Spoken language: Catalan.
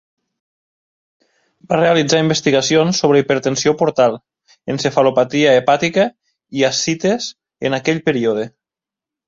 Va realitzar investigacions sobre hipertensió portal, encefalopatia hepàtica i ascites en aquell període.